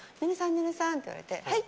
寧々さん！って言われてはい？